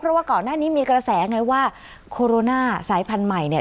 เพราะว่าก่อนหน้านี้มีกระแสไงว่าโคโรนาสายพันธุ์ใหม่เนี่ย